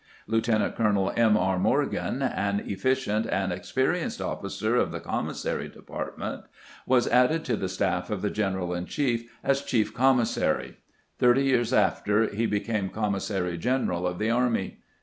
Lieutenant colonel M. E. Morgan, an efficient and experienced officer of the commissary department, was added to the staff of the general in chief as chief commissary ; thirty years after he became commissary general of the army.